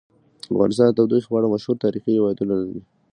افغانستان د تودوخه په اړه مشهور تاریخی روایتونه لري.